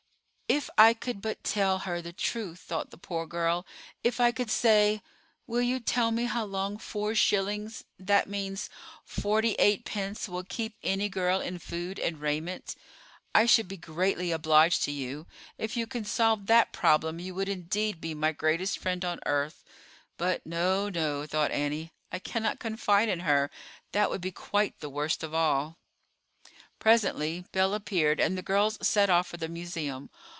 "If I could but tell her the truth," thought the poor girl. "If I could say: 'Will you tell me how long four shillings—that means forty eight pence—will keep any girl in food and raiment, I should be greatly obliged to you. If you can solve that problem you would indeed be my greatest friend on earth.' But no, no," thought Annie, "I cannot confide in her; that would be quite the worst of all." Presently Belle appeared, and the girls set off for the Museum.